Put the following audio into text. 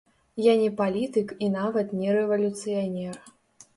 Я не палітык і нават не рэвалюцыянер.